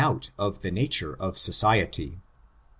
616 out of the nature of society.